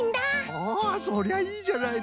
おそりゃいいじゃないの。